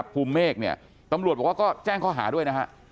ภูมิเมฆเนี่ยตำรวจบอกว่าก็แจ้งข้อหาด้วยนะฮะ